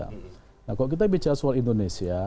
nah kalau kita bicara soal indonesia